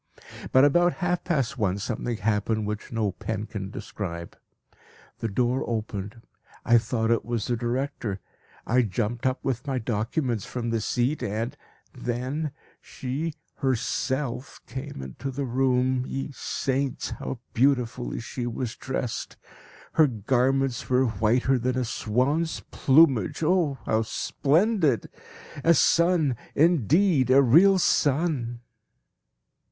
But about half past one something happened which no pen can describe. The door opened. I thought it was the director; I jumped up with my documents from the seat, and then she herself came into the room. Ye saints! how beautifully she was dressed. Her garments were whiter than a swan's plumage oh how splendid! A sun, indeed, a real sun!